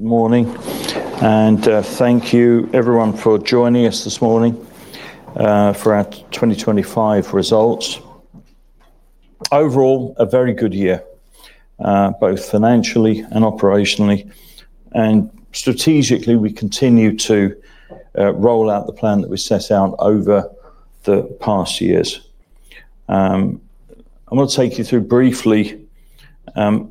Morning, thank you everyone for joining us this morning for our 2025 results. Overall, a very good year, both financially and operationally, strategically, we continue to roll out the plan that we set out over the past years. I want to take you through briefly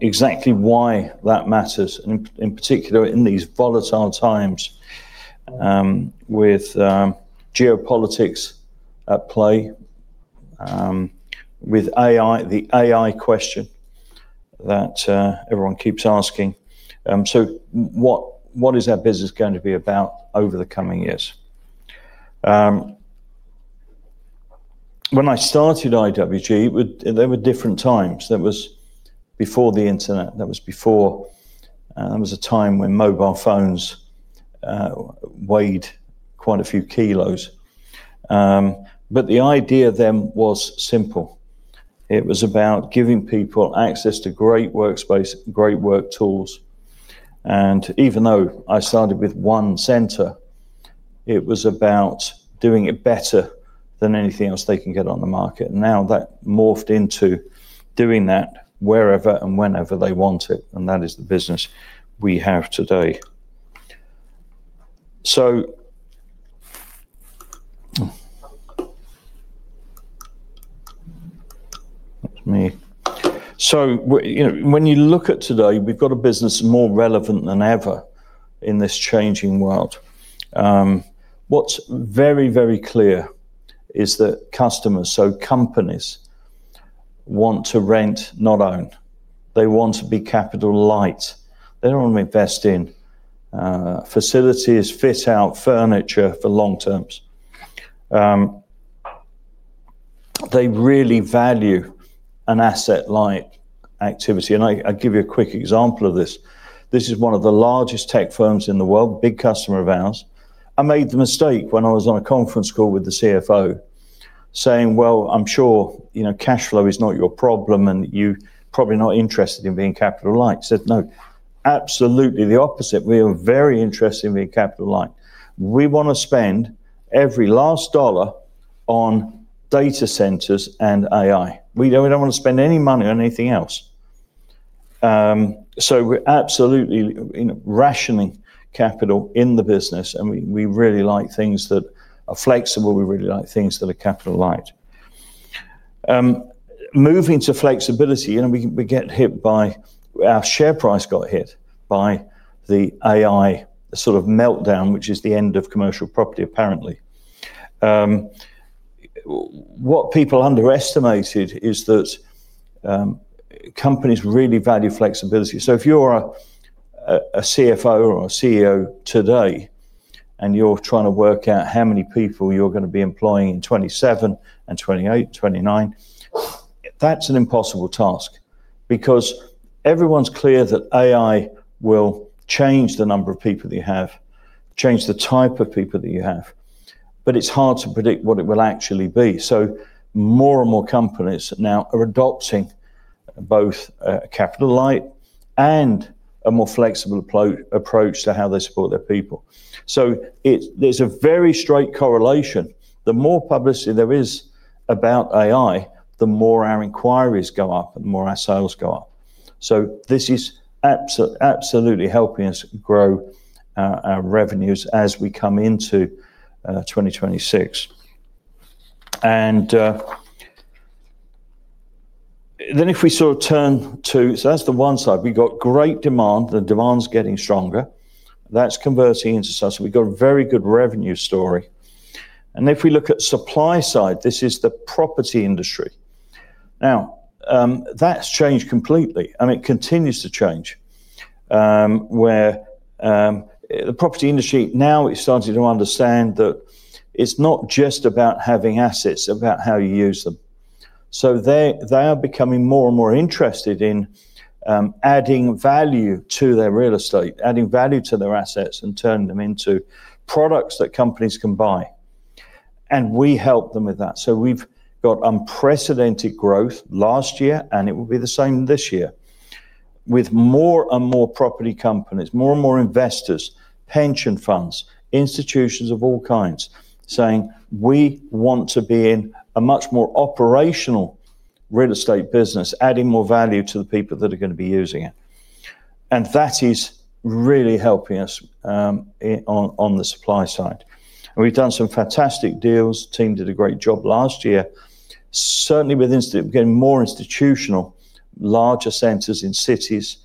exactly why that matters and in particular in these volatile times, with geopolitics at play, with AI, the AI question that everyone keeps asking. What is our business going to be about over the coming years? When I started IWG, they were different times. That was before the Internet. That was a time when mobile phones weighed quite a few kilos. The idea then was simple. It was about giving people access to great workspace, great work tools, and even though I started with one center, it was about doing it better than anything else they can get on the market. Now that morphed into doing that wherever and whenever they want it, and that is the business we have today. That's me. you know, when you look at today, we've got a business more relevant than ever in this changing world. What's very, very clear is that customers, so companies want to rent, not own. They want to be capital-light. They don't want to invest in facilities, fit out furniture for long terms. They really value an asset light activity, and I give you a quick example of this. This is one of the largest tech firms in the world, big customer of ours. I made the mistake when I was on a conference call with the CFO saying, "Well, I'm sure, you know, cash flow is not your problem, and you're probably not interested in being capital light." He said, "No, absolutely the opposite. We are very interested in being capital light. We want to spend every last dollar on data centers and AI. We don't want to spend any money on anything else. We're absolutely, you know, rationing capital in the business, and we really like things that are flexible. We really like things that are capital light." Moving to flexibility, you know, Our share price got hit by the AI sort of meltdown, which is the end of commercial property, apparently. What people underestimated is that companies really value flexibility. If you're a CFO or a CEO today, and you're trying to work out how many people you're going to be employing in 2027 and 2028, 2029, that's an impossible task because everyone's clear that AI will change the number of people that you have, change the type of people that you have, but it's hard to predict what it will actually be. More and more companies now are adopting both a capital-light and a more flexible approach to how they support their people. There's a very straight correlation. The more publicity there is about AI, the more our inquiries go up, the more our sales go up. This is absolutely helping us grow our revenues as we come into 2026. Then if we sort of turn to... That's the one side. We've got great demand. The demand's getting stronger. That's converting into success. We've got a very good revenue story. If we look at supply side, this is the property industry. Now, that's changed completely, and it continues to change, where the property industry now is starting to understand that it's not just about having assets, it's about how you use them. They are becoming more and more interested in adding value to their real estate, adding value to their assets and turning them into products that companies can buy. We help them with that. We've got unprecedented growth last year, and it will be the same this year. With more and more property companies, more and more investors, pension funds, institutions of all kinds saying, "We want to be in a much more operational real estate business, adding more value to the people that are going to be using it." That is really helping us on the supply side. We've done some fantastic deals. Team did a great job last year. Certainly with getting more institutional, larger centers in cities,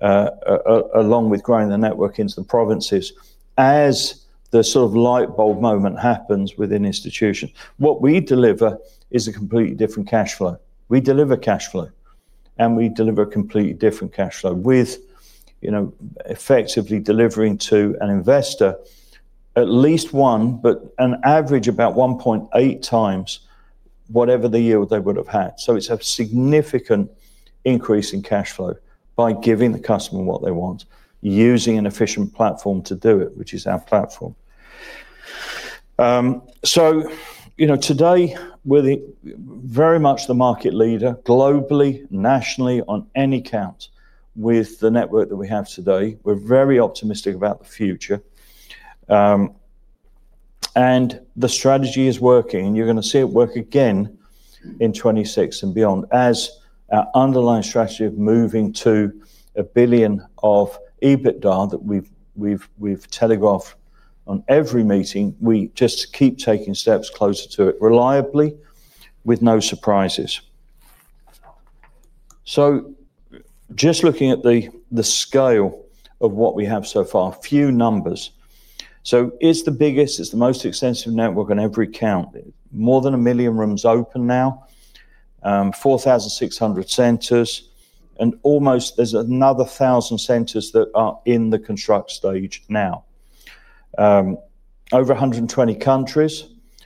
along with growing the network into the provinces. As the sort of light bulb moment happens within institution, what we deliver is a completely different cash flow. We deliver cash flow, and we deliver a completely different cash flow with, you know, effectively delivering to an investor at least one, but an average about 1.8x whatever the yield they would have had. It's a significant increase in cash flow by giving the customer what they want, using an efficient platform to do it, which is our platform. You know, today we're the, very much the market leader globally, nationally, on any count with the network that we have today. We're very optimistic about the future. The strategy is working, and you're gonna see it work again in 26 and beyond as our underlying strategy of moving to 1 billion of EBITDA that we've telegraphed on every meeting. We just keep taking steps closer to it reliably with no surprises. Just looking at the scale of what we have so far, a few numbers. It's the biggest, it's the most extensive network on every count. More than 1 million rooms open now, 4,600 centers, and almost there's another 1,000 centers that are in the construct stage now. Over 120 countries.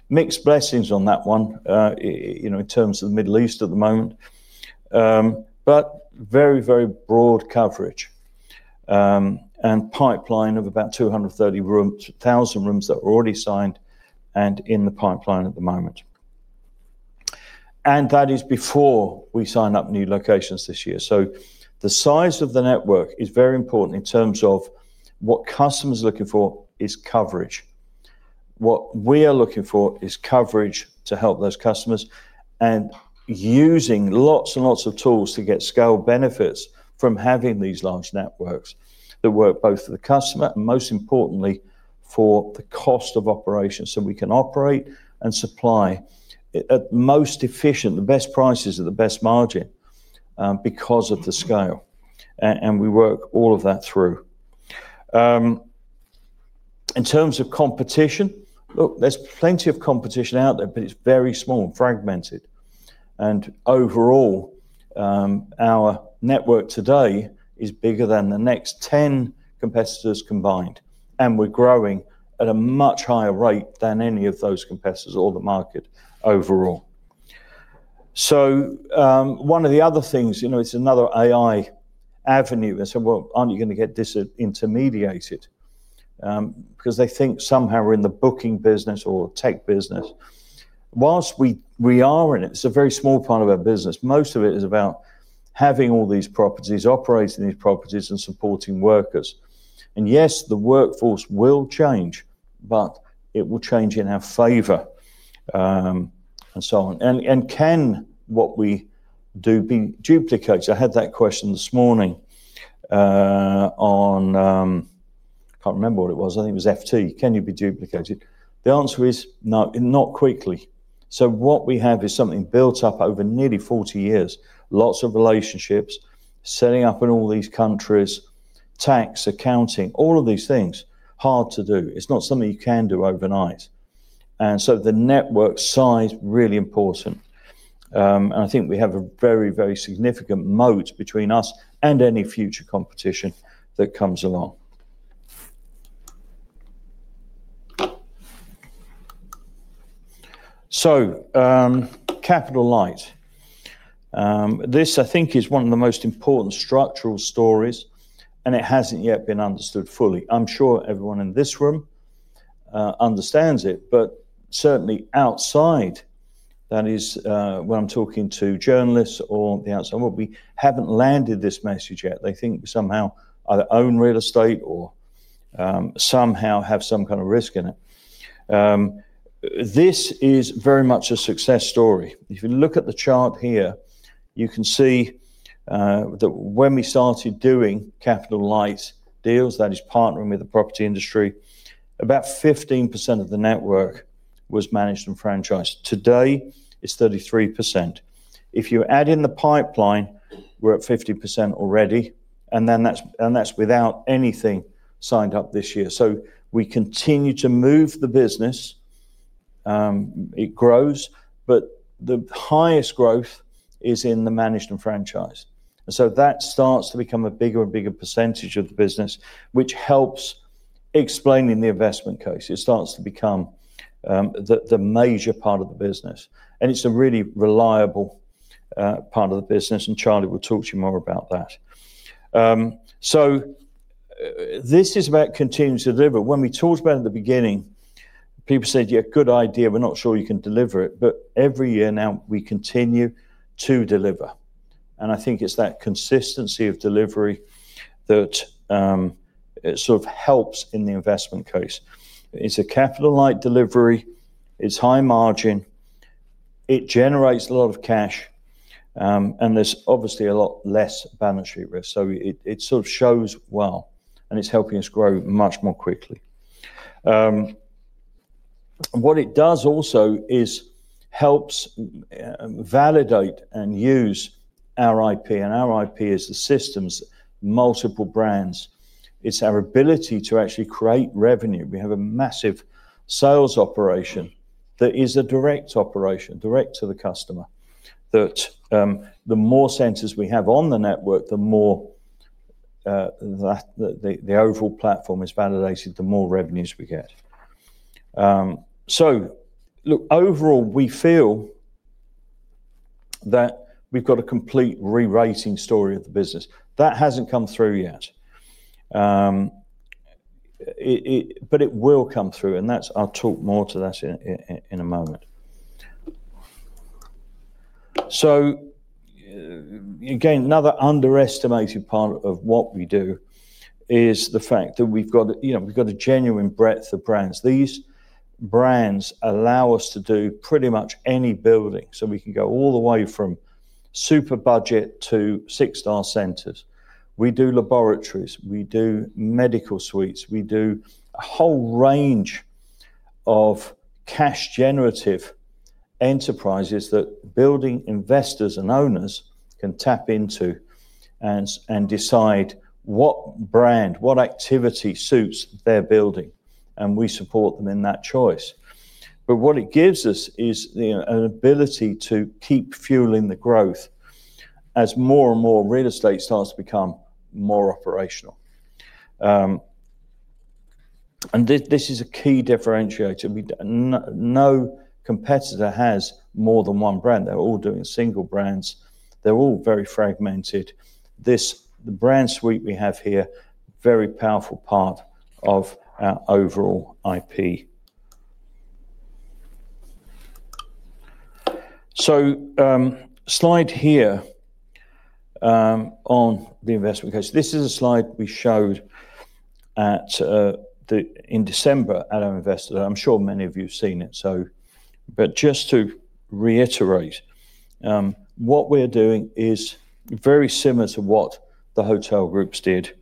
Mixed blessings on that one, you know, in terms of the Middle East at the moment. Very, very broad coverage, and pipeline of about 230 thousand rooms that were already signed and in the pipeline at the moment. That is before we sign up new locations this year. The size of the network is very important in terms of what customers are looking for is coverage. What we are looking for is coverage to help those customers and using lots and lots of tools to get scale benefits from having these large networks that work both for the customer, and most importantly, for the cost of operations, so we can operate and supply at most efficient, the best prices at the best margin, because of the scale and we work all of that through. In terms of competition, look, there's plenty of competition out there, but it's very small and fragmented. Overall, our network today is bigger than the next 10 competitors combined, and we're growing at a much higher rate than any of those competitors or the market overall. One of the other things, you know, it's another AI avenue. They say, "Well, aren't you going to get disintermediated?" Because they think somehow we're in the booking business or tech business. Whilst we are in it's a very small part of our business. Most of it is about having all these properties, operating these properties and supporting workers. Yes, the workforce will change, but it will change in our favor, and so on. Can what we do be duplicated? I had that question this morning, I can't remember what it was. I think it was FT. Can you be duplicated? The answer is no, not quickly. What we have is something built up over nearly 40 years, lots of relationships, setting up in all these countries, tax, accounting, all of these things, hard to do. It's not something you can do overnight. The network size, really important. I think we have a very, very significant moat between us and any future competition that comes along. Capital-light. This I think is one of the most important structural stories, it hasn't yet been understood fully. I'm sure everyone in this room understands it, certainly outside, that is, when I'm talking to journalists or the outside world, we haven't landed this message yet. They think somehow either own real estate or somehow have some kind of risk in it. This is very much a success story. If you look at the chart here, you can see that when we started doing capital-light deals, that is partnering with the property industry, about 15% of the network was managed and franchised. Today, it's 33%. If you add in the pipeline, we're at 50% already, and that's without anything signed up this year. We continue to move the business, it grows, but the highest growth is in the managed and franchised. That starts to become a bigger and bigger % of the business, which helps explaining the investment case. It starts to become the major part of the business. It's a really reliable part of the business, and Charlie will talk to you more about that. This is about continuing to deliver. When we talked about it at the beginning, people said, "Yeah, good idea, we're not sure you can deliver it." Every year now we continue to deliver. I think it's that consistency of delivery that it sort of helps in the investment case. It's a capital-light delivery, it's high margin, it generates a lot of cash, there's obviously a lot less balance sheet risk. It sort of shows well, and it's helping us grow much more quickly. What it does also is helps validate and use our IP, our IP is the systems, multiple brands. It's our ability to actually create revenue. We have a massive sales operation that is a direct operation, direct to the customer, that the more centers we have on the network, the more the overall platform is validated, the more revenues we get. Look, overall, we've got a complete re-rating story of the business. That hasn't come through yet. It will come through, and I'll talk more to that in a moment. Again, another underestimated part of what we do is the fact that we've got, you know, a genuine breadth of brands. These brands allow us to do pretty much any building. We can go all the way from super budget to 6-star centers. We do laboratories, we do medical suites, we do a whole range of cash generative enterprises that building investors and owners can tap into and decide what brand, what activity suits their building, and we support them in that choice. What it gives us is an ability to keep fueling the growth as more and more real estate starts to become more operational. This is a key differentiator. No competitor has more than one brand. They're all doing single brands. They're all very fragmented. This, the brand suite we have here, very powerful part of our overall IP. Slide here on the investment case. This is a slide we showed at the, in December at our investor. I'm sure many of you have seen it. Just to reiterate, what we're doing is very similar to what the hotel groups did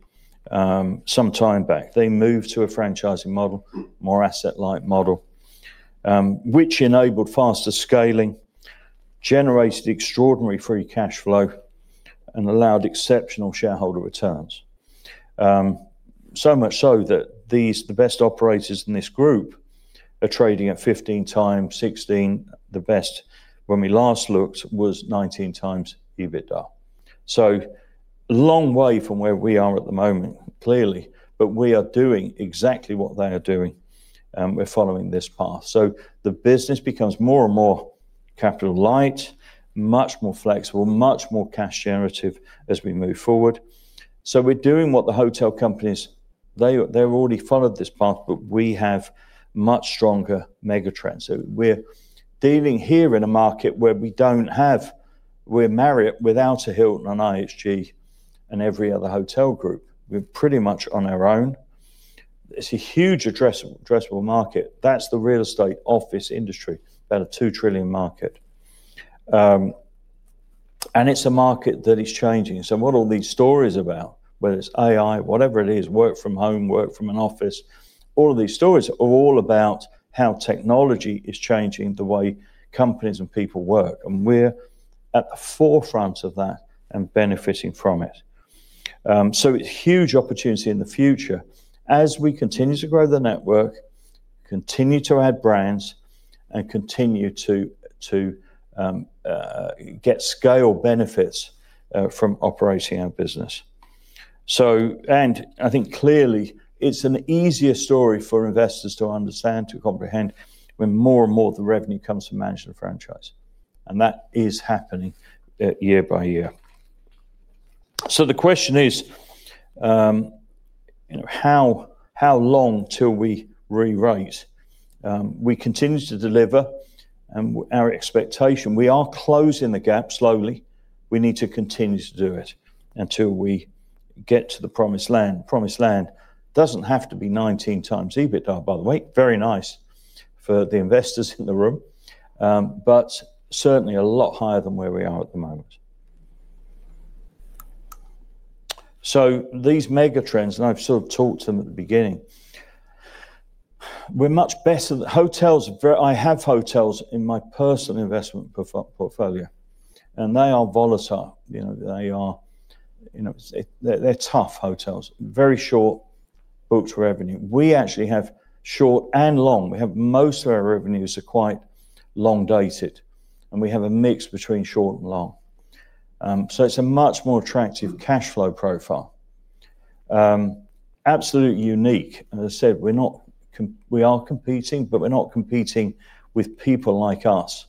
some time back. They moved to a franchising model, more asset-light model, which enabled faster scaling, generated extraordinary free cash flow, and allowed exceptional shareholder returns. Much so that these, the best operators in this group are trading at 15x, 16. The best when we last looked was 19x EBITDA. Long way from where we are at the moment, clearly, but we are doing exactly what they are doing, and we're following this path. The business becomes more and more capital-light, much more flexible, much more cash generative as we move forward. We're doing what the hotel companies... They've already followed this path, but we have much stronger mega trends. We're dealing here in a market where we don't have... We're Marriott without a Hilton, an IHG, and every other hotel group. We're pretty much on our own. It's a huge addressable market. That's the real estate office industry. About a 2 trillion market. It's a market that is changing. What are all these stories about? Whether it's AI, whatever it is, work from home, work from an office, all of these stories are all about how technology is changing the way companies and people work. We're at the forefront of that and benefiting from it. So huge opportunity in the future as we continue to grow the network, continue to add brands, and continue to get scale benefits from operating our business. I think clearly it's an easier story for investors to understand, to comprehend when more and more of the revenue comes from management franchise. That is happening year by year. The question is, you know, how long till we re-rate? We continue to deliver our expectation. We are closing the gap slowly. We need to continue to do it until we get to the promised land. Promised land doesn't have to be 19x EBITDA, by the way. Very nice for the investors in the room, but certainly a lot higher than where we are at the moment. These mega trends, and I've sort of talked them at the beginning, we're much better. Hotels, I have hotels in my personal investment portfolio, and they are volatile. You know, they are, you know. They're tough, hotels. Very short booked revenue. We actually have short and long. We have most of our revenues are quite long dated, and we have a mix between short and long. It's a much more attractive cash flow profile. Absolutely unique. As I said, we are competing, but we're not competing with people like us.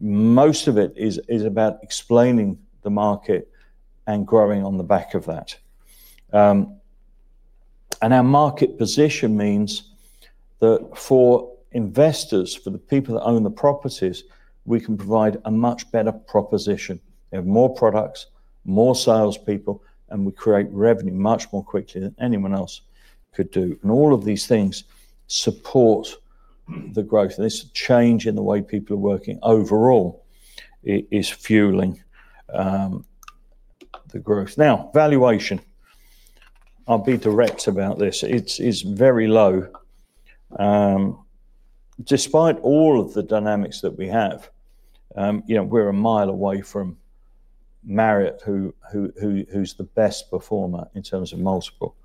Most of it is about explaining the market and growing on the back of that. And our market position means that for investors, for the people that own the properties, we can provide a much better proposition. We have more products, more salespeople, and we create revenue much more quickly than anyone else could do. All of these things support the growth. This change in the way people are working overall is fueling the growth. Now, valuation. I'll be direct about this. It's very low. Despite all of the dynamics that we have, you know, we're a mile away from Marriott, who's the best performer in terms of multiple.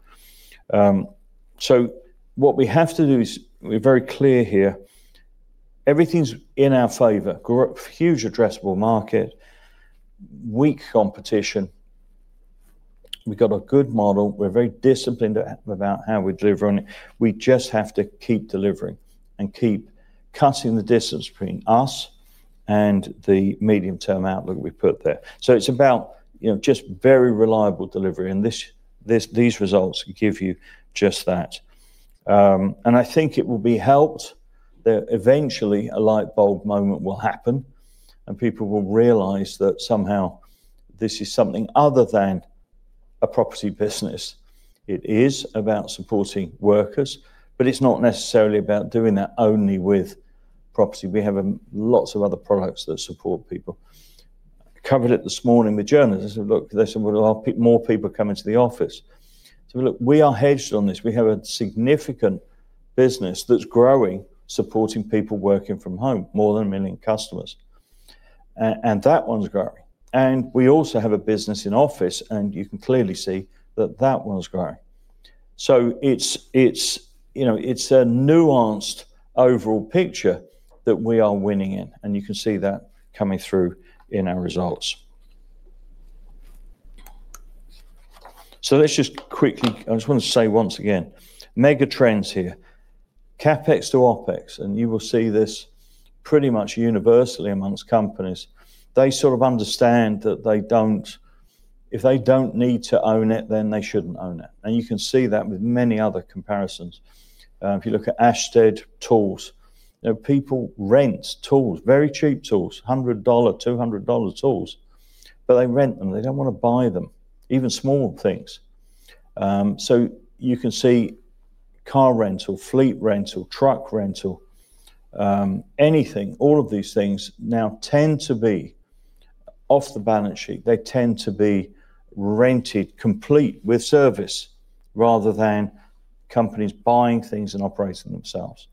What we have to do is... We're very clear here. Everything's in our favor. Huge addressable market, weak competition. We've got a good model. We're very disciplined about how we deliver on it. We just have to keep delivering and keep cutting the distance between us and the medium-term outlook we've put there. It's about, you know, just very reliable delivery, and these results give you just that. I think it will be helped that eventually a light bulb moment will happen, and people will realize that somehow this is something other than a property business. It is about supporting workers, but it's not necessarily about doing that only with property. We have lots of other products that support people. Covered it this morning with journalists. I said, "Look, listen, we'll have more people coming to the office." Said, "Look, we are hedged on this. We have a significant business that's growing, supporting people working from home, more than 1 million customers. That one's growing. We also have a business in office, and you can clearly see that that one's growing. It's, you know, a nuanced overall picture that we are winning in, you can see that coming through in our results. Let's just quickly. I just want to say once again, mega trends here. CapEx to OpEx, you will see this pretty much universally amongst companies. They sort of understand that they don't. If they don't need to own it, then they shouldn't own it, you can see that with many other comparisons. If you look at Ashtead tools, you know, people rent tools, very cheap tools, hundred dollar, two hundred dollar tools, but they rent them. They don't want to buy them, even small things. You can see car rental, fleet rental, truck rental, anything. All of these things now tend to be off the balance sheet. They tend to be rented complete with service rather than companies buying things and operating themselves.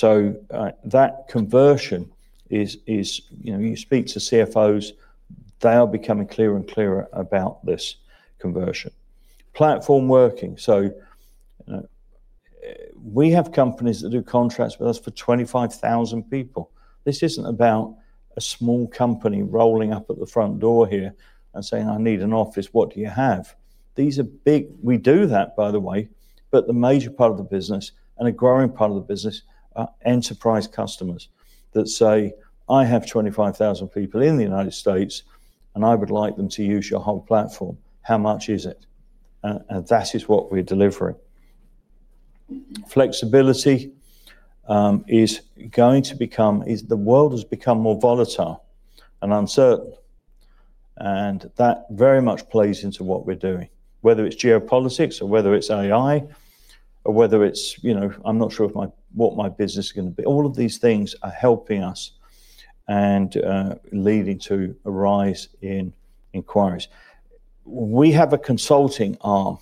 That conversion is... You know, you speak to CFOs, they are becoming clearer and clearer about this conversion. Platform working. You know, we have companies that do contracts with us for 25,000 people. This isn't about a small company rolling up at the front door here and saying, "I need an office. What do you have?" We do that, by the way, but the major part of the business and a growing part of the business are enterprise customers that say, "I have 25,000 people in the United States, and I would like them to use your whole platform. How much is it?" That is what we're delivering. Flexibility. The world has become more volatile and uncertain. That very much plays into what we're doing, whether it's geopolitics or whether it's AI or whether it's, you know, I'm not sure if what my business is gonna be. All of these things are helping us and leading to a rise in inquiries. We have a consulting arm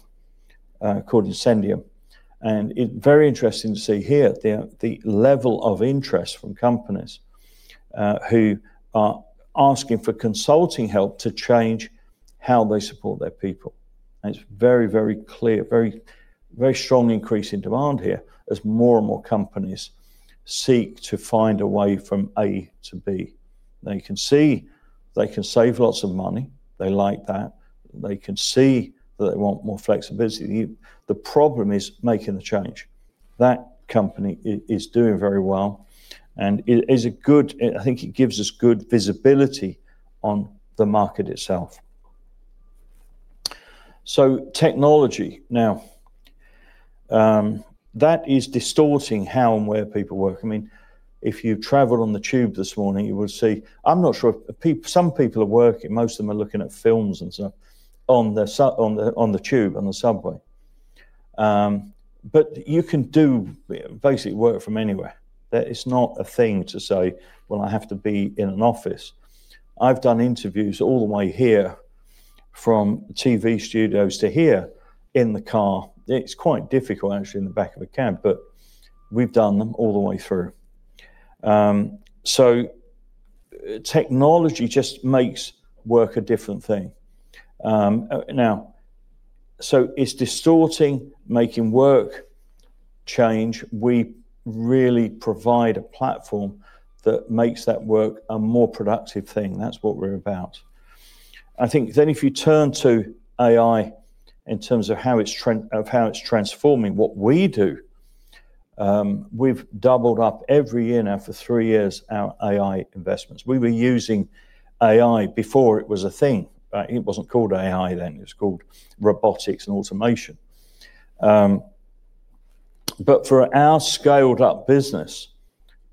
called Incendium. It's very interesting to see here the level of interest from companies who are asking for consulting help to change how they support their people. It's very, very clear, very, very strong increase in demand here as more and more companies seek to find a way from A to B. They can see they can save lots of money. They like that. They can see that they want more flexibility. The problem is making the change. That company is doing very well, I think it gives us good visibility on the market itself. Technology. Now, that is distorting how and where people work. I mean, if you traveled on the tube this morning, you would see, I'm not sure if some people are working, most of them are looking at films and stuff on the tube, on the subway. You can do basically work from anywhere. That is not a thing to say, "Well, I have to be in an office." I've done interviews all the way here from TV studios to here in the car. It's quite difficult actually in the back of a cab, but we've done them all the way through. Technology just makes work a different thing. It's distorting making work change. We really provide a platform that makes that work a more productive thing. That's what we're about. I think then if you turn to AI in terms of how it's transforming what we do, we've doubled up every year now for three years our AI investments. We were using AI before it was a thing. It wasn't called AI then. It was called robotics and automation. For our scaled-up business,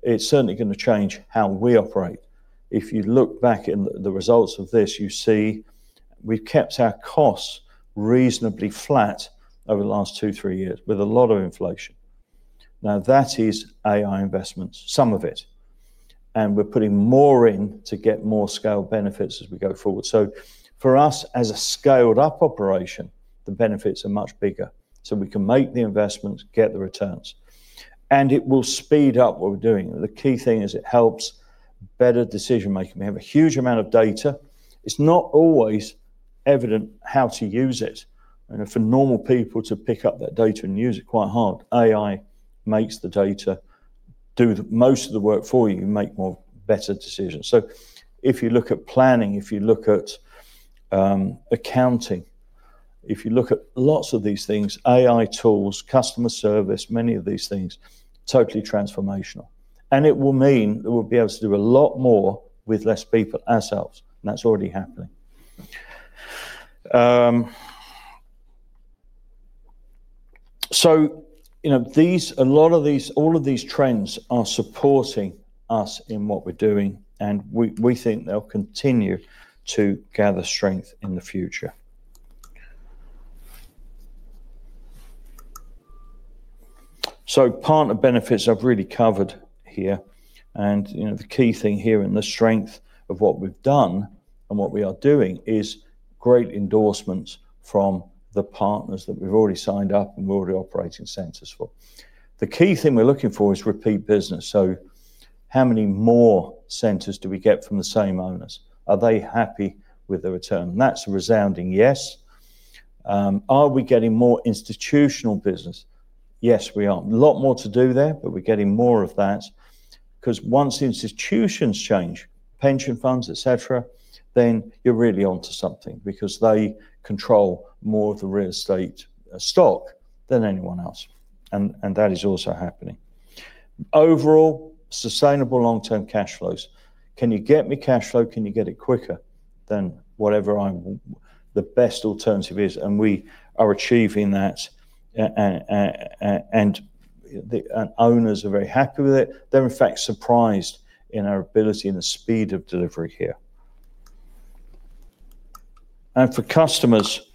it's certainly gonna change how we operate. If you look back in the results of this, you see we've kept our costs reasonably flat over the last two, three years with a lot of inflation. That is AI investments, some of it, and we're putting more in to get more scale benefits as we go forward. For us as a scaled-up operation, the benefits are much bigger, so we can make the investments, get the returns. It will speed up what we're doing. The key thing is it helps better decision-making. We have a huge amount of data. It's not always evident how to use it. You know, for normal people to pick up that data and use it quite hard. AI makes the data do the most of the work for you, make more better decisions. If you look at planning, if you look at accounting, if you look at lots of these things, AI tools, customer service, many of these things, totally transformational. It will mean that we'll be able to do a lot more with less people ourselves, and that's already happening. You know, all of these trends are supporting us in what we're doing, and we think they'll continue to gather strength in the future. Partner benefits I've really covered here, and, you know, the key thing here and the strength of what we've done and what we are doing is great endorsements from the partners that we've already signed up and we're already operating centers for. The key thing we're looking for is repeat business. How many more centers do we get from the same owners? Are they happy with the return? That's a resounding yes. Are we getting more institutional business? Yes, we are. A lot more to do there. We're getting more of that because once institutions change, pension funds, et cetera, then you're really onto something because they control more of the real estate stock than anyone else, and that is also happening. Overall, sustainable long-term cash flows. Can you get me cash flow? Can you get it quicker than whatever the best alternative is? We are achieving that and the owners are very happy with it. They're in fact surprised in our ability and the speed of delivery here. For customers,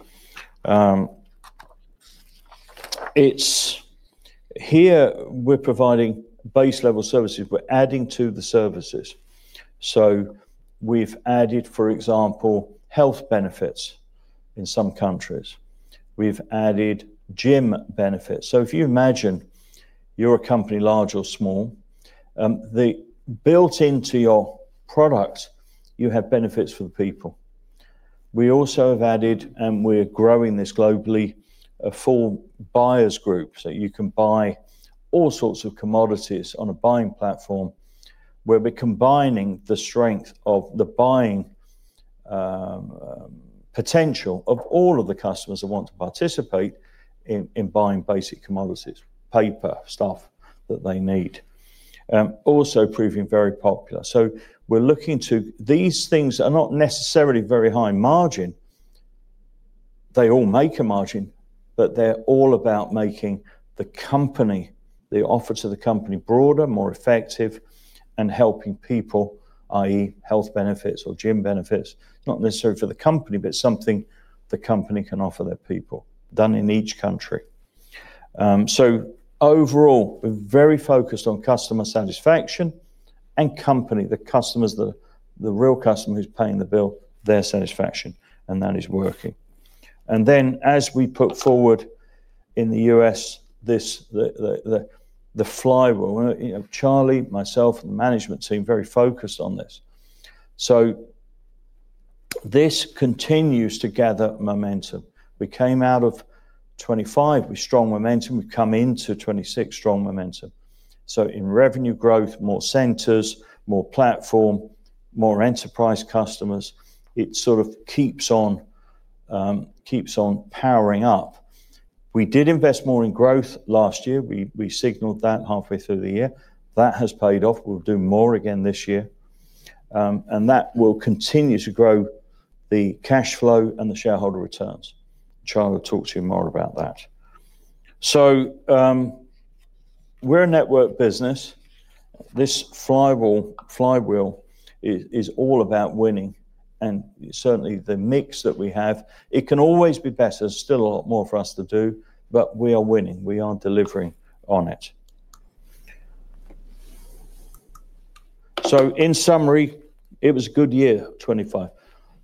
it's here we're providing base level services. We're adding to the services. We've added, for example, health benefits in some countries. We've added gym benefits. If you imagine you're a company, large or small, the built into your product, you have benefits for the people. We also have added, and we're growing this globally, a full buyers group. You can buy all sorts of commodities on a buying platform where we're combining the strength of the buying potential of all of the customers that want to participate in buying basic commodities, paper stuff that they need. Also proving very popular. These things are not necessarily very high margin. They all make a margin. They're all about making the company, the offer to the company broader, more effective and helping people, i.e., health benefits or gym benefits, not necessarily for the company, but something the company can offer their people done in each country. Overall, we're very focused on customer satisfaction and company. The customers, the real customer who's paying the bill, their satisfaction, and that is working. As we put forward in the U.S. this the flywheel, you know, Charlie, myself and the management team very focused on this. This continues to gather momentum. We came out of 2025 with strong momentum. We've come into 2026 strong momentum. In revenue growth, more centers, more platform, more enterprise customers, it sort of keeps on powering up. We did invest more in growth last year. We signaled that halfway through the year. That has paid off. We'll do more again this year. That will continue to grow the cash flow and the shareholder returns. Charlie will talk to you more about that. We're a network business. This flywheel is all about winning and certainly the mix that we have. It can always be better. There's still a lot more for us to do, but we are winning. We are delivering on it. In summary, it was a good year, 25.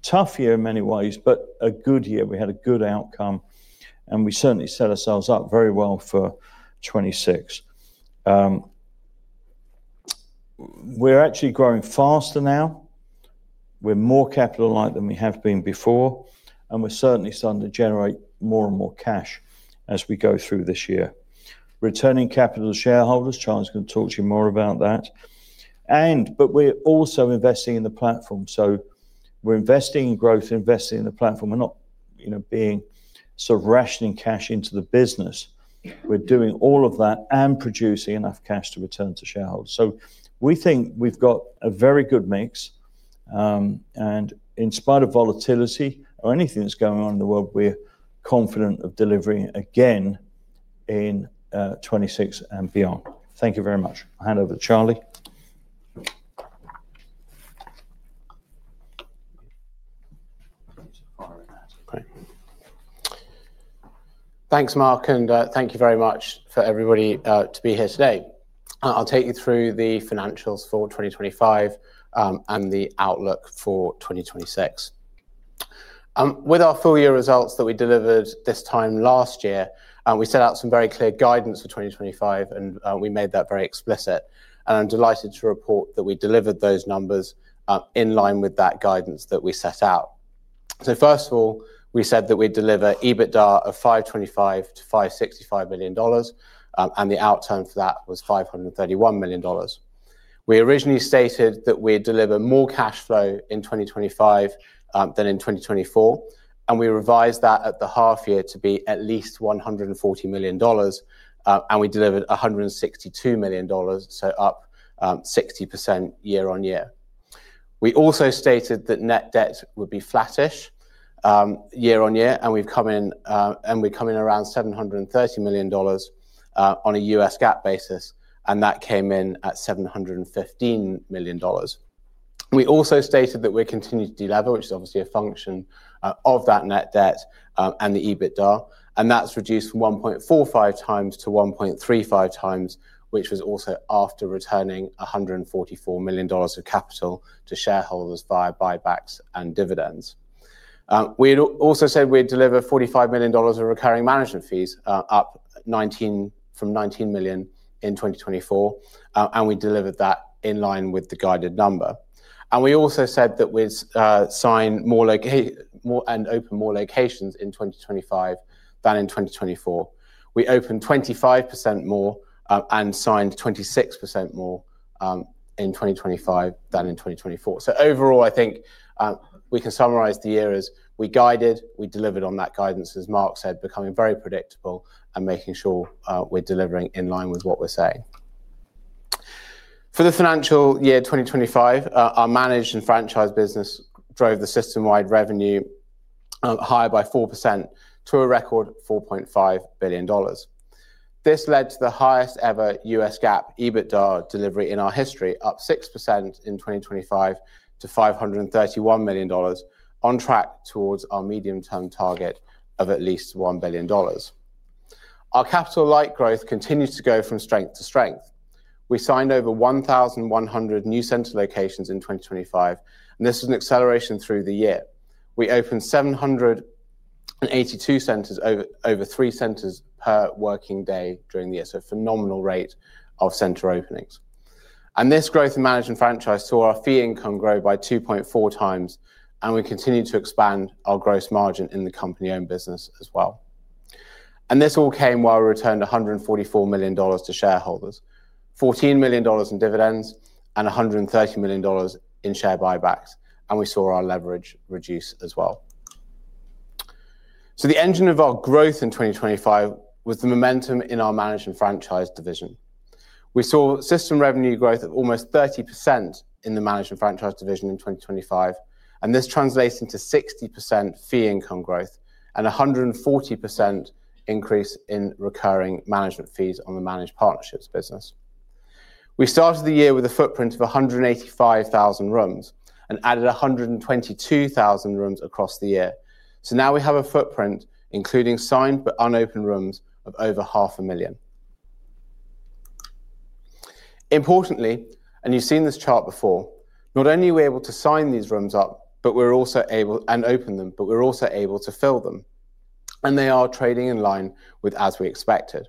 Tough year in many ways, but a good year. We had a good outcome, and we certainly set ourselves up very well for 26. We're actually growing faster now. We're more capital-light than we have been before, and we're certainly starting to generate more and more cash as we go through this year. Returning capital to shareholders. Charlie's gonna talk to you more about that. We're also investing in the platform. We're investing in growth, investing in the platform. We're not, you know, being sort of rationing cash into the business. We're doing all of that and producing enough cash to return to shareholders. We think we've got a very good mix, and in spite of volatility or anything that's going on in the world, we're confident of delivering again in 26 and beyond. Thank you very much. I'll hand over to Charlie. Thanks, Mark. Thank you very much for everybody to be here today. I'll take you through the financials for 2025 and the outlook for 2026. With our full year results that we delivered this time last year, we set out some very clear guidance for 2025, and we made that very explicit. I'm delighted to report that we delivered those numbers in line with that guidance that we set out. First of all, we said that we'd deliver EBITDA of $525 million-$565 million, and the outturn for that was $531 million. We originally stated that we'd deliver more cash flow in 2025 than in 2024. We revised that at the half year to be at least $140 million. We delivered $162 million, up 60% year-on-year. We also stated that net debt would be flattish year-on-year. We've come in around $730 million on a U.S. GAAP basis. That came in at $715 million. We also stated that we're continuing to delever, which is obviously a function of that net debt and the EBITDA, and that's reduced from 1.45x to 1.35x, which was also after returning $144 million of capital to shareholders via buybacks and dividends. We'd also said we'd deliver $45 million of recurring management fees, up from $19 million in 2024, and we delivered that in line with the guided number. We also said that we'd sign more and open more locations in 2025 than in 2024. We opened 25% more and signed 26% more in 2025 than in 2024. Overall, I think, we can summarize the year as we guided, we delivered on that guidance, as Mark said, becoming very predictable and making sure, we're delivering in line with what we're saying. For the financial year 2025, our managed and franchised business drove the system-wide revenue higher by 4% to a record $4.5 billion. This led to the highest ever U.S. GAAP EBITDA delivery in our history, up 6% in 2025 to $531 million on track towards our medium-term target of at least $1 billion. Our capital-light growth continues to go from strength to strength. We signed over 1,100 new center locations in 2025, and this was an acceleration through the year. We opened 782 centers, over 3 centers per working day during the year, so a phenomenal rate of center openings. This growth in managed and franchised saw our fee income grow by 2.4x, and we continued to expand our gross margin in the company-owned business as well. This all came while we returned $144 million to shareholders, $14 million in dividends and $130 million in share buybacks, and we saw our leverage reduce as well. The engine of our growth in 2025 was the momentum in our managed and franchised division. We saw system revenue growth of almost 30% in the managed and franchised division in 2025, and this translates into 60% fee income growth and a 140% increase in recurring management fees on the managed partnerships business. We started the year with a footprint of 185,000 rooms and added 122,000 rooms across the year. Now we have a footprint including signed but unopened rooms of over half a million. Importantly, and you've seen this chart before, not only were we able to sign these rooms up, but we're also able to open them, but we're also able to fill them, and they are trading in line with as we expected.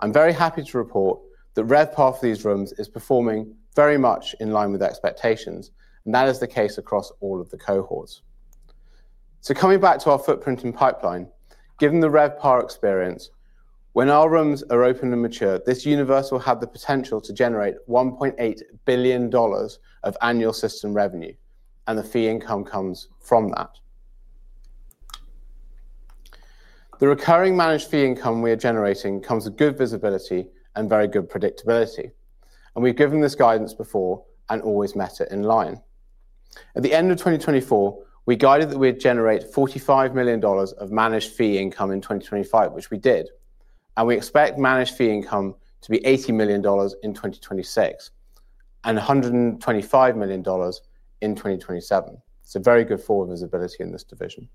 I'm very happy to report the REVPAR for these rooms is performing very much in line with expectations. That is the case across all of the cohorts. Coming back to our footprint and pipeline, given the REVPAR experience, when our rooms are open and mature, this universe will have the potential to generate $1.8 billion of annual system revenue. The fee income comes from that. The recurring managed fee income we are generating comes with good visibility and very good predictability. We've given this guidance before and always met it in line. At the end of 2024, we guided that we'd generate $45 million of managed fee income in 2025, which we did. We expect managed fee income to be $80 million in 2026 and $125 million in 2027. Very good forward visibility in this division.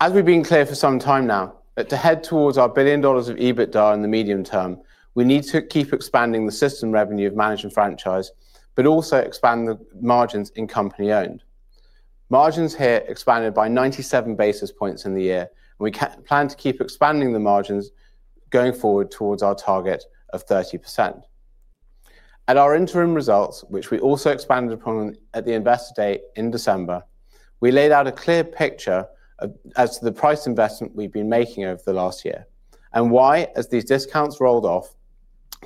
As we've been clear for some time now that to head towards our $1 billion of EBITDA in the medium term, we need to keep expanding the system revenue of managed and franchised, but also expand the margins in company-owned. Margins here expanded by 97 basis points in the year. We plan to keep expanding the margins going forward towards our target of 30%. At our interim results, which we also expanded upon at the Investor Day in December, we laid out a clear picture as to the price investment we've been making over the last year and why, as these discounts rolled off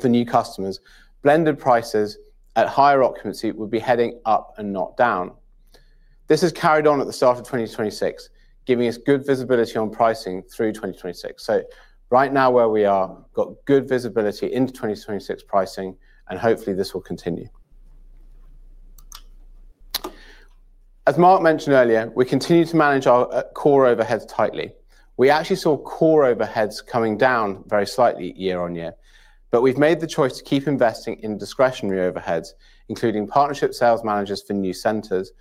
for new customers, blended prices at higher occupancy would be heading up and not down. This has carried on at the start of 2026, giving us good visibility on pricing through 2026. Right now where we are, got good visibility into 2026 pricing, and hopefully this will continue. As Mark mentioned earlier, we continue to manage our core overheads tightly. We actually saw core overheads coming down very slightly year-over-year, but we've made the choice to keep investing in discretionary overheads, including Partnership Sales Managers for new centers that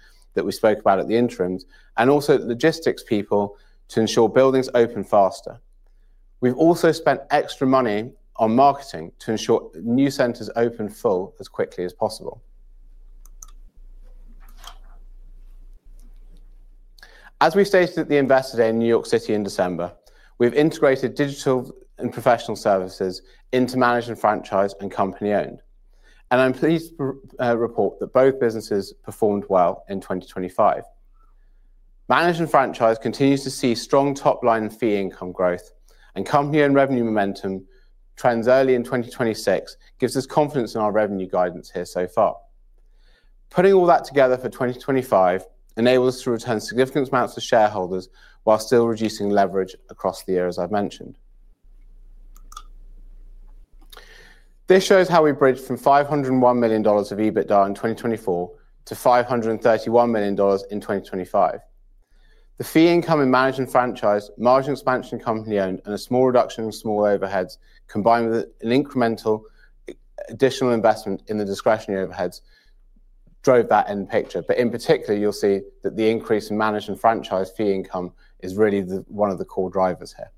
we spoke about at the interims, and also logistics people to ensure buildings open faster. We've also spent extra money on marketing to ensure new centers open full as quickly as possible. As we stated at the Investor Day in New York City in December, we've integrated Digital & Professional Services into managed and franchised and company-owned. I'm pleased to report that both businesses performed well in 2025. Managed and franchised continues to see strong top-line fee income growth and company-owned revenue momentum trends early in 2026 gives us confidence in our revenue guidance here so far. Putting all that together for 2025 enables us to return significant amounts to shareholders while still reducing leverage across the year, as I've mentioned. This shows how we bridged from $501 million of EBITDA in 2024 to $531 million in 2025. The fee income in Managed and franchised, margin expansion in company-owned, and a small reduction in small overheads, combined with an incremental additional investment in the discretionary overheads drove that end picture. In particular, you'll see that the increase in Managed and franchised fee income is really one of the core drivers here.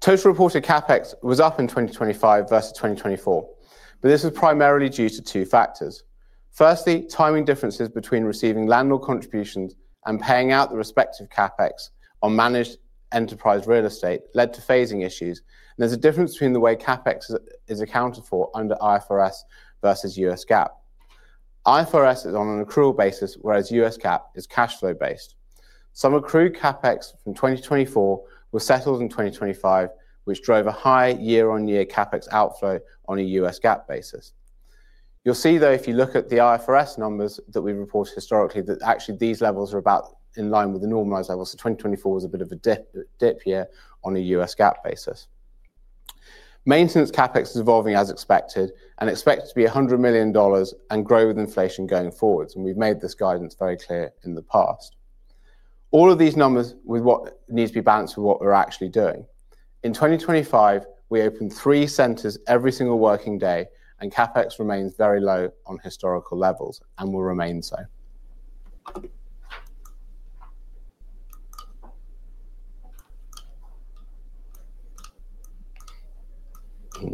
Total reported CapEx was up in 2025 versus 2024. This is primarily due to two factors. Firstly, timing differences between receiving landlord contributions and paying out the respective CapEx on managed enterprise real estate led to phasing issues. There's a difference between the way CapEx is accounted for under IFRS versus U.S. GAAP. IFRS is on an accrual basis, whereas U.S. GAAP is cash flow-based. Some accrued CapEx from 2024 was settled in 2025, which drove a high year-on-year CapEx outflow on a U.S. GAAP basis. You'll see, though, if you look at the IFRS numbers that we reported historically, that actually these levels are about in line with the normalized levels. 2024 was a bit of a dip year on a U.S. GAAP basis. Maintenance CapEx is evolving as expected and expected to be $100 million and grow with inflation going forward. We've made this guidance very clear in the past. All of these numbers with what needs to be balanced with what we're actually doing. In 2025, we opened three centers every single working day. CapEx remains very low on historical levels and will remain so. Back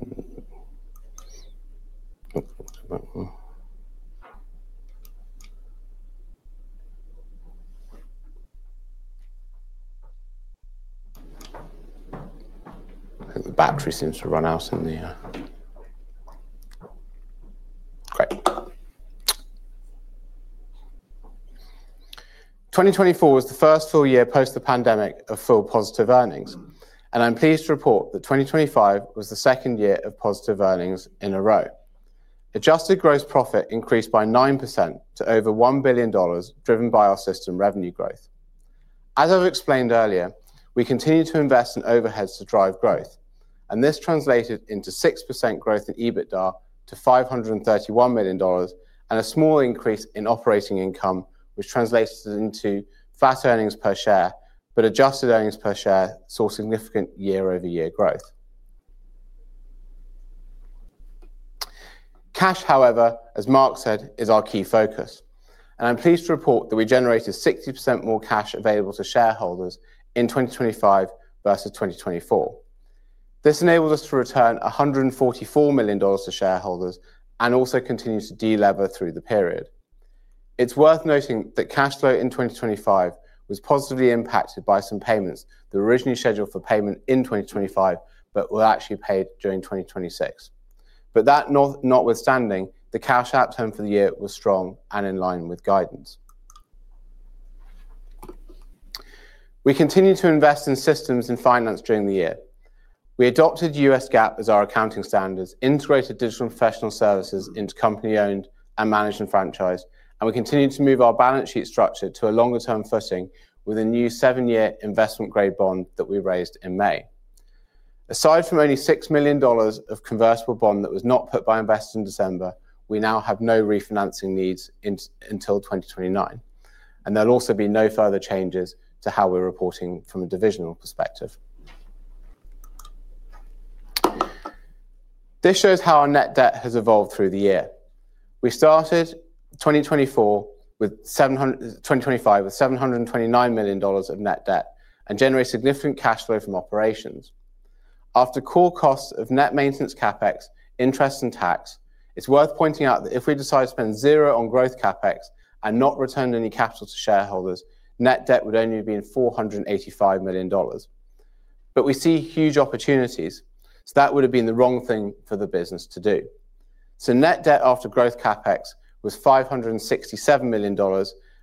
one. I think the battery seems to run out in the. Great. 2024 was the first full year post the pandemic of full positive earnings. I'm pleased to report that 2025 was the second year of positive earnings in a row. Adjusted gross profit increased by 9% to over $1 billion, driven by our system revenue growth. As I've explained earlier, we continue to invest in overheads to drive growth. This translated into 6% growth in EBITDA to $531 million and a small increase in operating income, which translates into fast earnings per share. Adjusted earnings per share saw significant year-over-year growth. Cash, however, as Mark said, is our key focus. I'm pleased to report that we generated 60% more cash available to shareholders in 2025 versus 2024. This enabled us to return $144 million to shareholders and also continue to delever through the period. It's worth noting that cash flow in 2025 was positively impacted by some payments that were originally scheduled for payment in 2025 but were actually paid during 2026. That not, notwithstanding, the cash outturn for the year was strong and in line with guidance. We continued to invest in systems and finance during the year. We adopted U.S. GAAP as our accounting standards, integrated Digital & Professional Services into company-owned and managed and franchised, and we continued to move our balance sheet structure to a longer-term footing with a new seven-year investment-grade bond that we raised in May. Aside from only $6 million of convertible bond that was not put by investors in December, we now have no refinancing needs until 2029, and there'll also be no further changes to how we're reporting from a divisional perspective. This shows how our net debt has evolved through the year. We started 2025 with $729 million of net debt and generated significant cash flow from operations. After core costs of net maintenance CapEx, interest, and tax, it's worth pointing out that if we decide to spend zero on growth CapEx and not return any capital to shareholders, net debt would only have been $485 million. We see huge opportunities, so that would have been the wrong thing for the business to do. Net debt after growth CapEx was $567 million,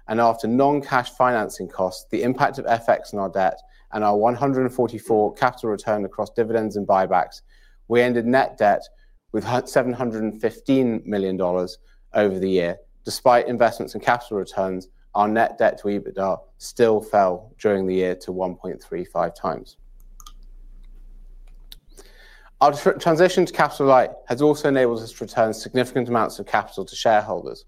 and after non-cash financing costs, the impact of FX on our debt, and our 144 capital return across dividends and buybacks, we ended net debt with $715 million over the year. Despite investments in capital returns, our net debt to EBITDA still fell during the year to 1.35x. Our transition to capital-light has also enabled us to return significant amounts of capital to shareholders.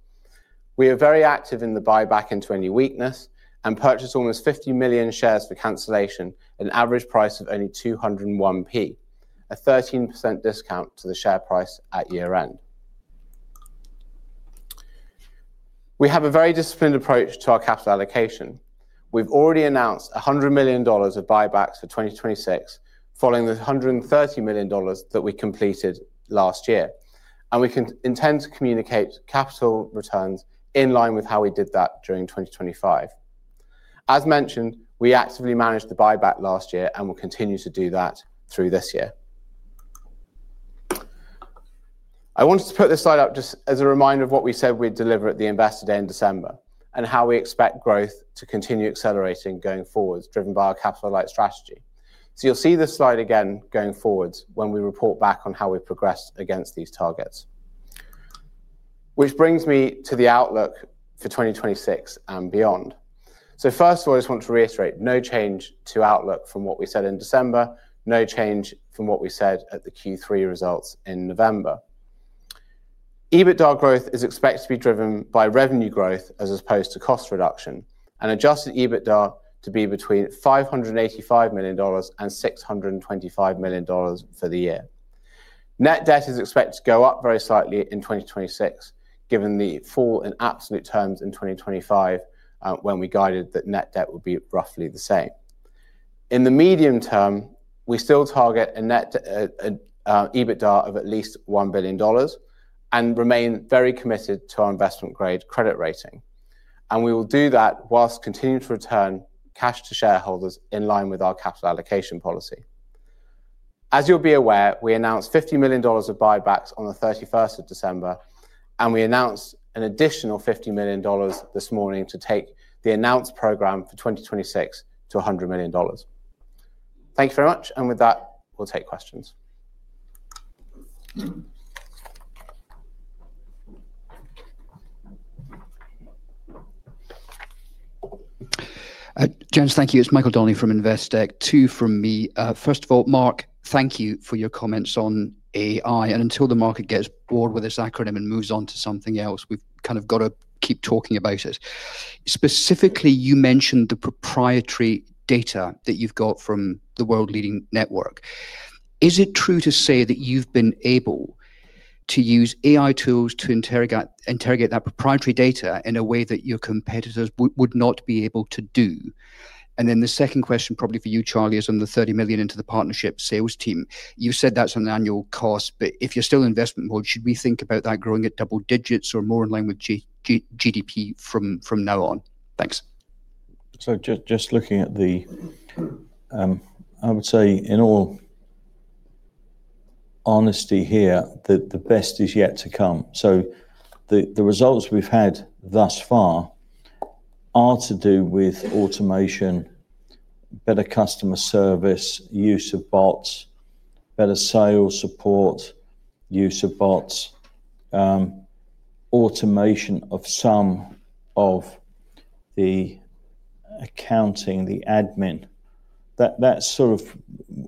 We are very active in the buyback into any weakness and purchased almost 50 million shares for cancellation at an average price of only 201p, a 13% discount to the share price at year-end. We have a very disciplined approach to our capital allocation. We've already announced $100 million of buybacks for 2026, following the $130 million that we completed last year. We intend to communicate capital returns in line with how we did that during 2025. As mentioned, we actively managed the buyback last year, and we'll continue to do that through this year. I wanted to put this slide up just as a reminder of what we said we'd deliver at the Investor Day in December, and how we expect growth to continue accelerating going forward, driven by our capital-light strategy. You'll see this slide again going forward when we report back on how we've progressed against these targets. Which brings me to the outlook for 2026 and beyond. First of all, I just want to reiterate, no change to outlook from what we said in December, no change from what we said at the Q3 results in November. EBITDA growth is expected to be driven by revenue growth as opposed to cost reduction, and Adjusted EBITDA to be between $585 million and $625 million for the year. Net debt is expected to go up very slightly in 2026, given the fall in absolute terms in 2025, when we guided that net debt would be roughly the same. In the medium term, we still target EBITDA of at least $1 billion and remain very committed to our investment-grade credit rating. We will do that while continuing to return cash to shareholders in line with our capital allocation policy. As you'll be aware, we announced $50 million of buybacks on the 31st of December, we announced an additional $50 million this morning to take the announced program for 2026 to $100 million. Thank you very much, with that, we'll take questions. Gents, thank you. It's Michael Donnelly from Investec. Two from me. First of all, Mark, thank you for your comments on AI. Until the market gets bored with this acronym and moves on to something else, we've kind of gotta keep talking about it. Specifically, you mentioned the proprietary data that you've got from the world-leading network. Is it true to say that you've been able to use AI tools to interrogate that proprietary data in a way that your competitors would not be able to do? The second question, probably for you, Charlie, is on the 30 million into the partnership sales team. You said that's an annual cost, but if you're still in investment mode, should we think about that growing at double digits or more in line with GDP from now on? Thanks. Just looking at the I would say in all honesty here that the best is yet to come. The results we've had thus far are to do with automation, better customer service, use of bots, better sales support, use of bots, automation of some of the accounting, the admin. That's sort of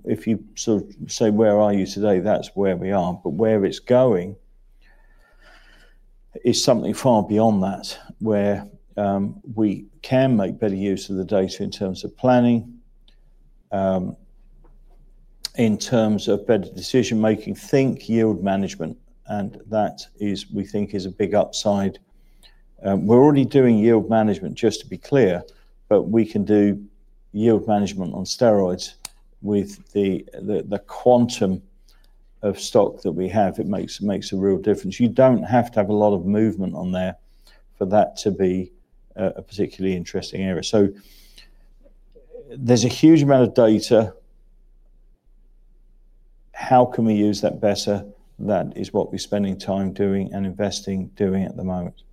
If you sort of say, "Where are you today?" That's where we are. Where it's going is something far beyond that, where we can make better use of the data in terms of planning, in terms of better decision-making. Think yield management, and that is, we think, is a big upside. We're already doing yield management, just to be clear, but we can do yield management on steroids with the quantum of stock that we have. It makes a real difference. You don't have to have a lot of movement on there for that to be a particularly interesting area. There's a huge amount of data. How can we use that better? That is what we're spending time doing and investing doing at the moment.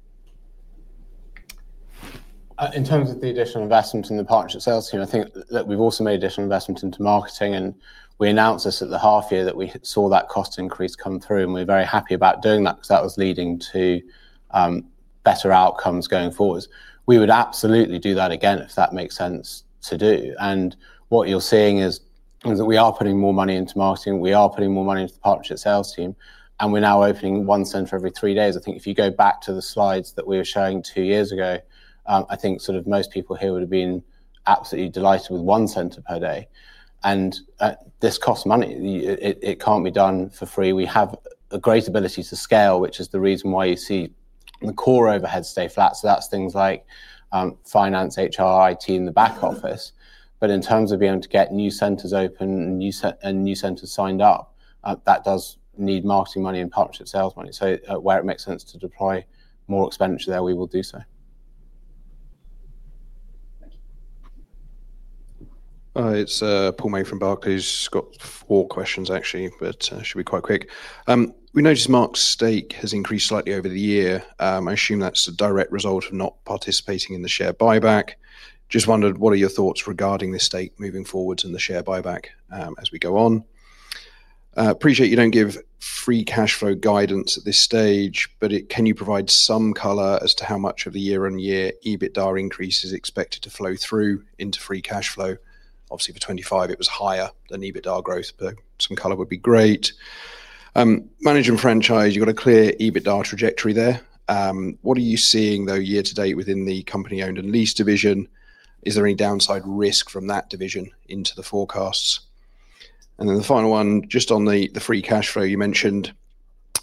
In terms of the additional investment in the Partnership Sales team, I think that we've also made additional investment into marketing, we announced this at the half year that we saw that cost increase come through, and we're very happy about doing that because that was leading to better outcomes going forwards. We would absolutely do that again if that makes sense to do. What you're seeing is that we are putting more money into marketing, we are putting more money into the Partnership Sales team, and we're now opening 1 center every 3 days. I think if you go back to the slides that we were showing 2 years ago, I think sort of most people here would have been absolutely delighted with 1 center per day. This costs money. It can't be done for free. We have a great ability to scale, which is the reason why you see the core overheads stay flat. That's things like finance, HR, IT in the back office. In terms of being able to get new centers open and new centers signed up, that does need marketing money and partnership sales money. Where it makes sense to deploy more expenditure there, we will do so. Thank you. It's Paul May from Barclays. Just got 4 questions actually, but should be quite quick. We noticed Mark's stake has increased slightly over the year. I assume that's a direct result of not participating in the share buyback. Just wondered, what are your thoughts regarding the stake moving forward and the share buyback as we go on? Appreciate you don't give free cash flow guidance at this stage, but can you provide some color as to how much of the year-on-year EBITDA increase is expected to flow through into free cash flow? Obviously, for 2025 it was higher than EBITDA growth, but some color would be great. Management franchise, you've got a clear EBITDA trajectory there. What are you seeing though year to date within the company-owned and leased division? Is there any downside risk from that division into the forecasts? The final one, just on the free cash flow you mentioned,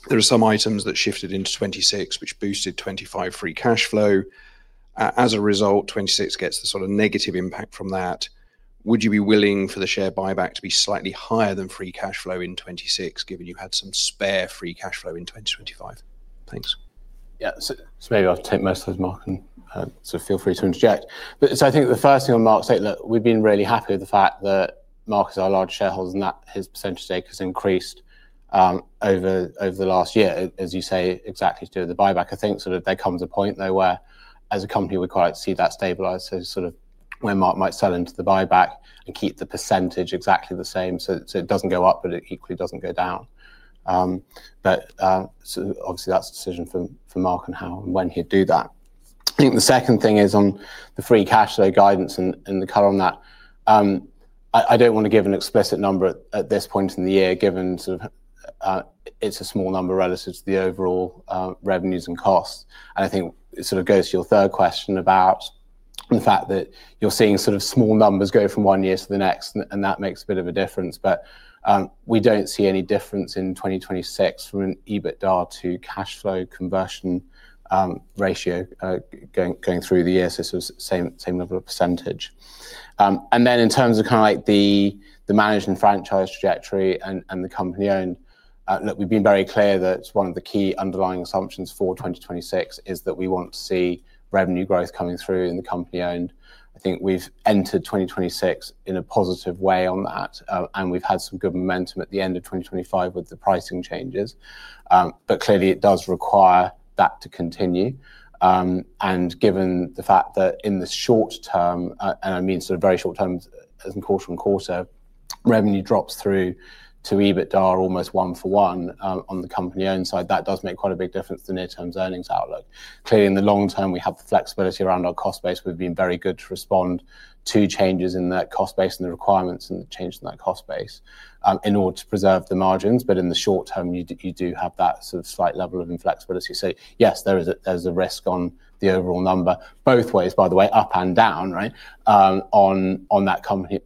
there are some items that shifted into 2026 which boosted 2025 free cash flow. As a result, 2026 gets the sort of negative impact from that. Would you be willing for the share buyback to be slightly higher than free cash flow in 2026, given you had some spare free cash flow in 2025? Thanks. Yeah. Maybe I'll take most of those, Mark, and feel free to interject. I think the first thing on Mark's statement, look, we've been really happy with the fact that Mark is our large shareholder and that his percentage stake has increased over the last year, as you say, exactly to do with the buyback. I think sort of there comes a point though where, as a company, we'd quite like to see that stabilized. Sort of where Mark might sell into the buyback and keep the percentage exactly the same, so it doesn't go up, but it equally doesn't go down. Obviously that's a decision for Mark and how and when he'd do that. I think the second thing is on the free cash flow guidance and the color on that. I don't wanna give an explicit number at this point in the year given sort of, it's a small number relative to the overall revenues and costs. I think it sort of goes to your 3rd question about the fact that you're seeing sort of small numbers go from 1 year to the next, and that makes a bit of a difference. We don't see any difference in 2026 from an EBITDA to cash flow conversion ratio going through the year. It's the same level of percentage. In terms of kinda like the managed and franchised trajectory and the company-owned, look, we've been very clear that 1 of the key underlying assumptions for 2026 is that we want to see revenue growth coming through in the company-owned. I think we've entered 2026 in a positive way on that, and we've had some good momentum at the end of 2025 with the pricing changes. Clearly it does require that to continue. Given the fact that in the short term, and I mean sort of very short term as in quarter on quarter, revenue drops through to EBITDA almost one for one on the company-owned side. That does make quite a big difference to the near term's earnings outlook. Clearly, in the long term, we have the flexibility around our cost base. We've been very good to respond to changes in that cost base and the requirements and the change in that cost base in order to preserve the margins. In the short term, you do have that sort of slight level of inflexibility. Yes, there is a risk on the overall number, both ways, by the way, up and down, right, on that company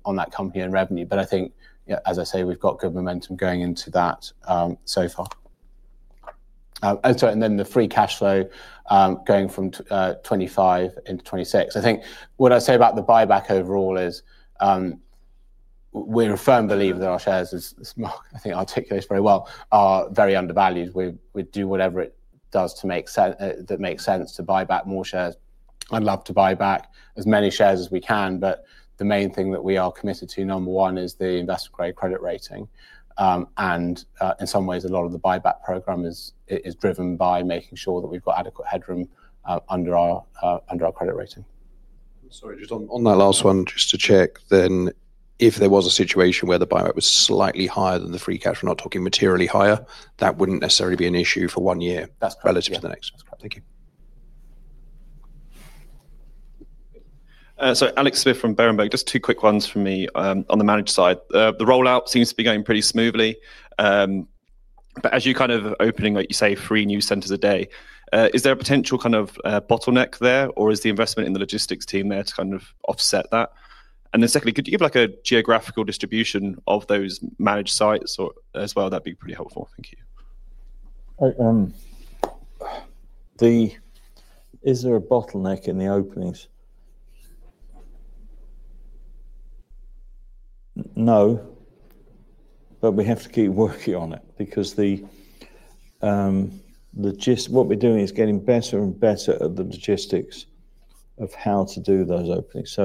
and revenue. I think, you know, as I say, we've got good momentum going into that, so far. Oh, sorry, and then the free cash flow, going from 2025 into 2026. I think what I'd say about the buyback overall is, we're a firm believer that our shares, as Mark I think articulates very well, are very undervalued. We, we do whatever it does to make that makes sense to buy back more shares. I'd love to buy back as many shares as we can, but the main thing that we are committed to, number one, is the investment-grade credit rating. In some ways a lot of the buyback program is driven by making sure that we've got adequate headroom under our credit rating. Sorry, just on that last one, just to check then, if there was a situation where the buyback was slightly higher than the free cash, we're not talking materially higher, that wouldn't necessarily be an issue for one year... That's correct. Yeah.... relative to the next. That's correct. Thank you. Alex Smith from Berenberg. Just two quick ones from me. On the managed side, the rollout seems to be going pretty smoothly. As you're kind of opening, like you say, 3 new centers a day, is there a potential kind of bottleneck there, or is the investment in the logistics team there to kind of offset that? Secondly, could you give like a geographical distribution of those managed sites or as well? That'd be pretty helpful. Thank you. Is there a bottleneck in the openings? No, we have to keep working on it because the what we're doing is getting better and better at the logistics of how to do those openings.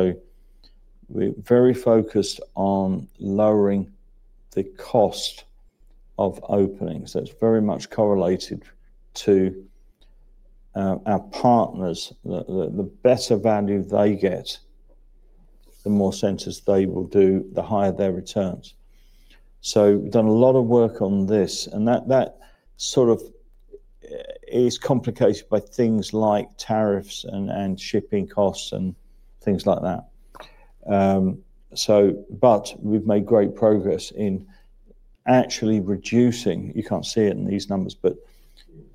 We're very focused on lowering the cost of openings. It's very much correlated to our partners. The better value they get, the more centers they will do, the higher their returns. We've done a lot of work on this, and that sort of is complicated by things like tariffs and shipping costs and things like that. We've made great progress in actually reducing, you can't see it in these numbers, but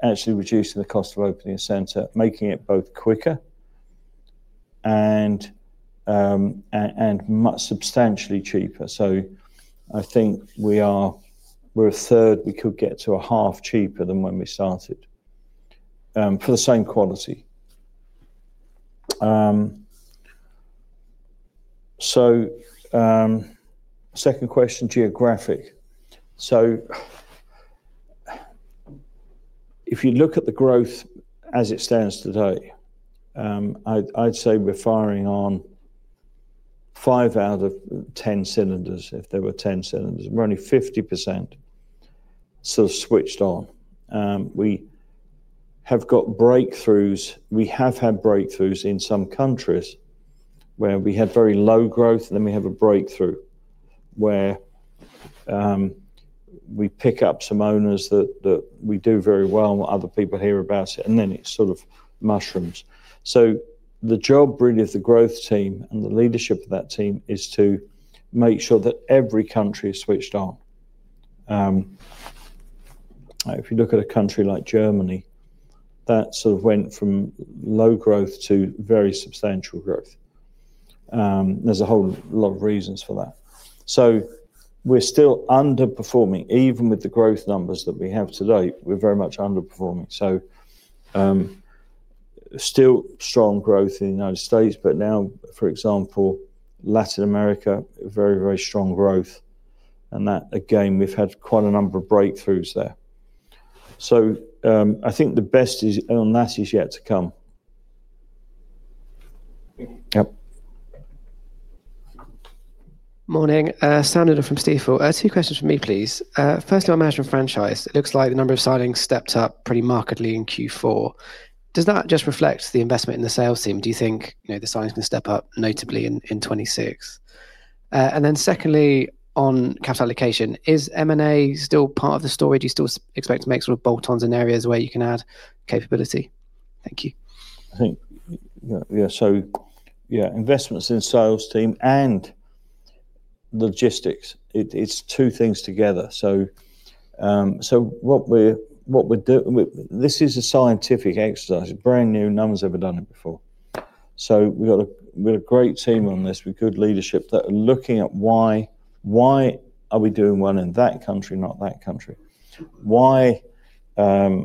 actually reducing the cost of opening a center, making it both quicker and much substantially cheaper. I think we are, we're a third, we could get to a half cheaper than when we started for the same quality. Second question, geographic. If you look at the growth as it stands today, I'd say we're firing on 5 out of 10 cylinders, if there were 10 cylinders. We're only 50% sort of switched on. We have got breakthroughs. We have had breakthroughs in some countries where we had very low growth, and then we have a breakthrough where we pick up some owners that we do very well and other people hear about it, and then it sort of mushrooms. The job really of the growth team and the leadership of that team is to make sure that every country is switched on. If you look at a country like Germany, that sort of went from low growth to very substantial growth. There's a whole lot of reasons for that. We're still underperforming. Even with the growth numbers that we have today, we're very much underperforming. Still strong growth in the United States, but now, for example, Latin America, very, very strong growth. That, again, we've had quite a number of breakthroughs there. I think the best is, on that is yet to come. Yep. Morning. Sam Ryder from Stifel. Two questions from me, please. First on management franchise. It looks like the number of signings stepped up pretty markedly in Q4. Does that just reflect the investment in the sales team? Do you think, you know, the signings can step up notably in 2026? Secondly, on capital allocation, is M&A still part of the story? Do you still expect to make sort of bolt-ons in areas where you can add capability? Thank you. I think investments in sales team and logistics, it's two things together. What we're doing. This is a scientific exercise, brand new, no one's ever done it before. We've got a great team on this with good leadership that are looking at why are we doing one in that country, not that country? What are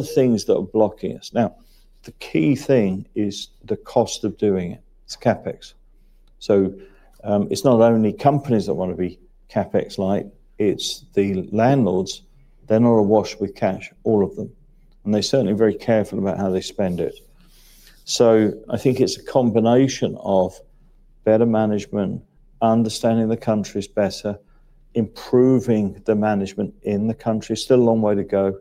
the things that are blocking us? The key thing is the cost of doing it. It's CapEx. It's not only companies that wanna be CapEx light, it's the landlords. They're not awash with cash, all of them. They're certainly very careful about how they spend it. I think it's a combination of better management, understanding the countries better, improving the management in the country. Still a long way to go,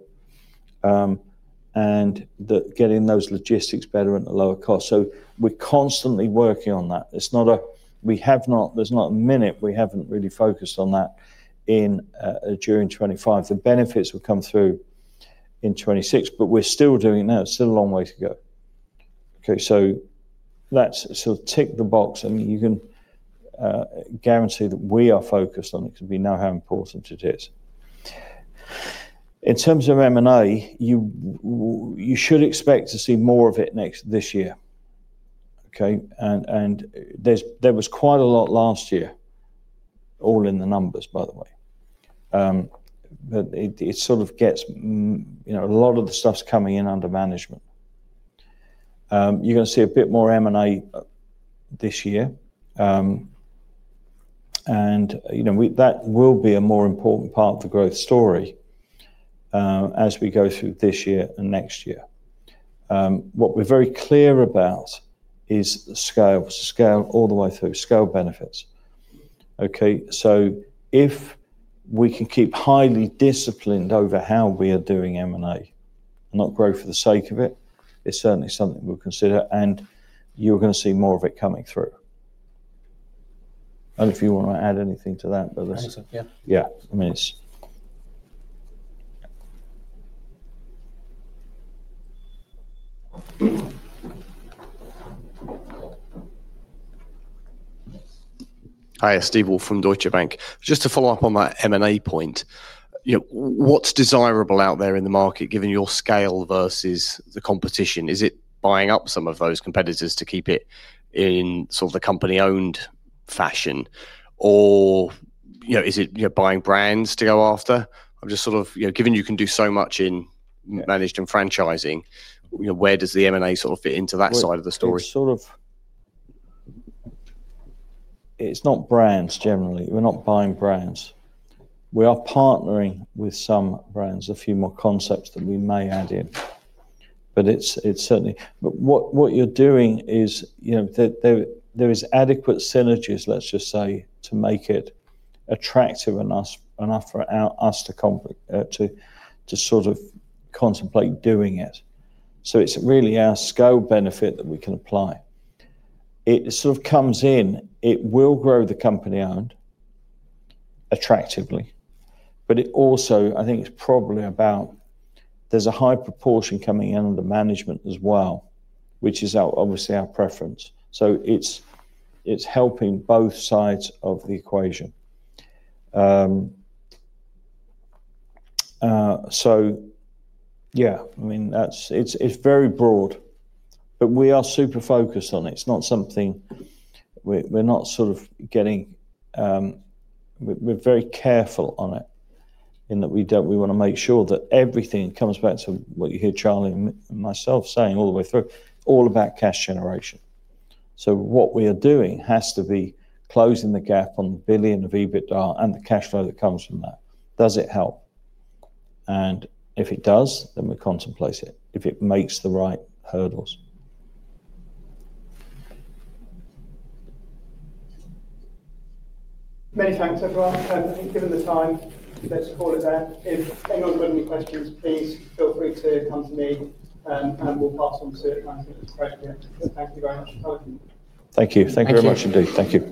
and the getting those logistics better at a lower cost. We're constantly working on that. There's not a minute we haven't really focused on that in 2025. The benefits will come through in 2026, but we're still doing it now. Still a long way to go. Let's sort of tick the box, and you can guarantee that we are focused on it 'cause we know how important it is. In terms of M&A, you should expect to see more of it this year. Okay? There's, there was quite a lot last year, all in the numbers, by the way. But it sort of gets, you know, a lot of the stuff's coming in under management. You're gonna see a bit more M&A this year. You know, that will be a more important part of the growth story as we go through this year and next year. What we're very clear about is scale. Scale all the way through. Scale benefits. Okay? If we can keep highly disciplined over how we are doing M&A, not grow for the sake of it's certainly something we'll consider, and you're gonna see more of it coming through. I don't know if you wanna add anything to that. No. Yeah. Yeah. I mean, it's... Hi. Steve Woolf from Deutsche Bank. Just to follow up on that M&A point, you know, what's desirable out there in the market given your scale versus the competition? Is it buying up some of those competitors to keep it in sort of the company-owned fashion? You know, is it, you know, buying brands to go after? I'm just sort of... You know, given you can do so much in managed and franchising, you know, where does the M&A sort of fit into that side of the story? Well, it's sort of. It's not brands generally. We're not buying brands. We are partnering with some brands, a few more concepts that we may add in, but it's certainly. What you're doing is, you know, there is adequate synergies, let's just say, to make it attractive enough for us to sort of contemplate doing it. It's really our scale benefit that we can apply. It sort of comes in, it will grow the company-owned attractively, but it also. I think it's probably about there's a high proportion coming in under management as well, which is obviously our preference. It's helping both sides of the equation. Yeah. I mean, that's. It's very broad, but we are super focused on it. It's not something we're not sort of getting. We're very careful on it in that we don't. We wanna make sure that everything comes back to what you hear Charlie and myself saying all the way through, all about cash generation. What we are doing has to be closing the gap on the 1 billion of EBITDA and the cash flow that comes from that. Does it help? If it does, we contemplate it, if it makes the right hurdles. Many thanks, everyone. I think given the time, let's call it there. If anyone's got any questions, please feel free to come to me, and we'll pass them to Anthony and Craig here. Thank you very much for coming. Thank you. Thank you. Thank you very much indeed. Thank you.